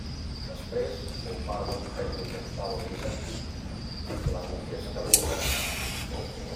Després fou part de l'Imperi oriental o bizantí fins a la conquesta búlgara.